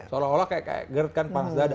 seolah olah kayak gerd kan panas dada